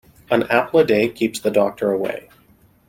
An apple a day keeps the doctor away.